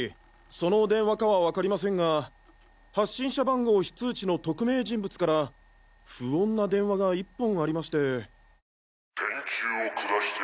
その電話かはわかりませんが発信者番号非通知の匿名人物から不穏な電話が１本ありまして。